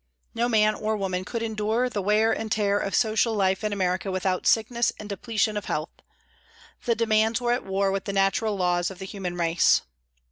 No man or woman could endure the wear and tear of social life in America without sickness and depletion of health. The demands were at war with the natural laws of the human race.